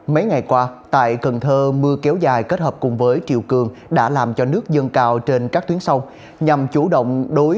mấy ngày qua tại cần thơ mưa kéo dài kết hợp cùng với triều cường đã làm cho nước dâng cao trên các tuyến sông